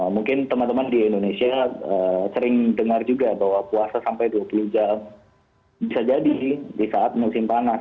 mungkin teman teman di indonesia sering dengar juga bahwa puasa sampai dua puluh jam bisa jadi di saat musim panas